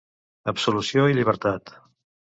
Absolució i llibertat!